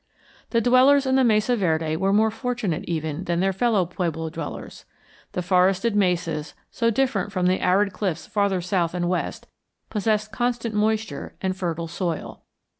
The dwellers in the Mesa Verde were more fortunate even than their fellow pueblo dwellers. The forested mesas, so different from the arid cliffs farther south and west, possessed constant moisture and fertile soil.